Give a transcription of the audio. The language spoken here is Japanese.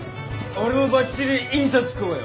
俺もばっちり印刷工よ。